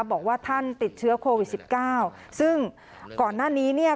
บอกว่าท่านติดเชื้อโควิดสิบเก้าซึ่งก่อนหน้านี้เนี่ย